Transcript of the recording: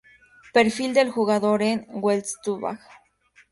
Perfil del jugador en Weltfussball.at